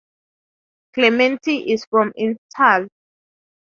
Clementi is from Italy.